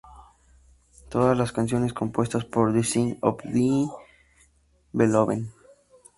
Todas las canciones compuestas por The Sins of Thy Beloved.